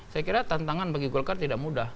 saya kira tantangan bagi golkar tidak mudah